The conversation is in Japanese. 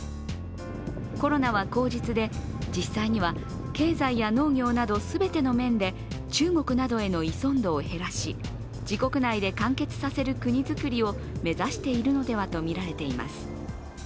コロナは口実で、実際には経済や農業など全ての面で中国などへの依存度を減らし自国内で完結させる国づくりを目指しているのではとみられています。